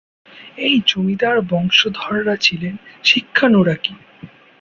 এই জমিদার বংশধররা ছিলেন শিক্ষানুরাগী।